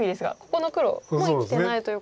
ここの黒も生きてないということで。